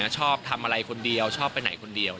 ชอบทำอะไรคนเดียวชอบไปไหนคนเดียว